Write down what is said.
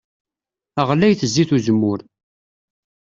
Ɣlayet zzit n uzemmur.